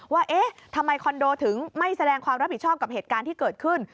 ว่าเอ๊ะทำไมคอนโดถึงไม่แสดงความรับผิดชอบกับเหตุการณ์ที่เกิดขึ้น